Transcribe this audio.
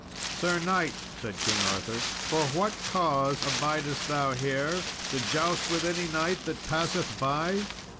"Sir knight," said King Arthur, "for what cause abidest thou here? to joust with any knight that passeth by?